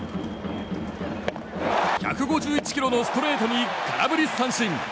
１５１キロのストレートに空振り三振。